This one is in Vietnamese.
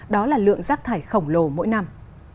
đó là lượng rác thải khổng lồ mỗi năm